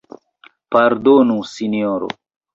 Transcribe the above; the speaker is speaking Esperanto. Pardonu Sinjoro!